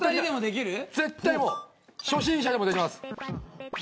初心者でもできます。